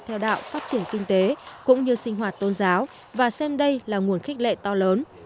theo đạo phát triển kinh tế cũng như sinh hoạt tôn giáo và xem đây là nguồn khích lệ to lớn